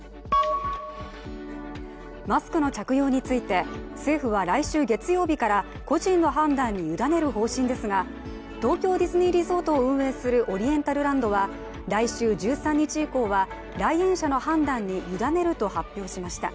マスクの着用について、政府は来週月曜日から個人の判断に委ねる方針ですが、東京ディズニーリゾートを運営するオリエンタルランドは来週１３日以降は来園者の判断に委ねると発表しました。